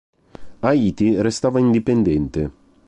Haiti restava indipendente.